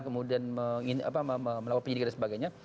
kemudian melakukan penyidikan dan sebagainya